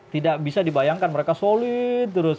tidak bisa dibayangkan mereka solid